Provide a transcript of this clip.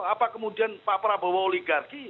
apa kemudian pak prabowo oligarki